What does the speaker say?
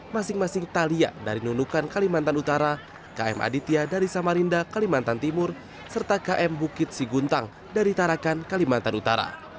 masing masing thalia dari nunukan kalimantan utara km aditya dari samarinda kalimantan timur serta km bukit siguntang dari tarakan kalimantan utara